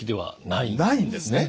ないんですね